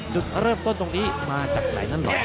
จุดเริ่มต้นตรงนี้มาจากไหนนั้นหน่อย